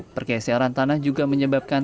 pergeseran tanah juga mengajakkan